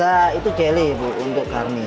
ada itu jelly untuk karne